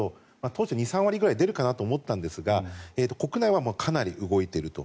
当初、２３割ぐらい出るかなと思ったんですが国内はかなり動いていると。